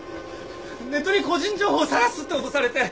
ネットに個人情報さらすって脅されて。